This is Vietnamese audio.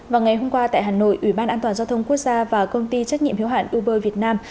vào ngày hôm qua tại hà nội ủy ban an toàn giao thông quốc gia và công ty trách nhiệm hiếu hạn uber việt nam